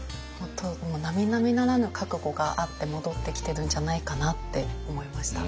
もうなみなみならぬ覚悟があって戻ってきてるんじゃないかなって思いました。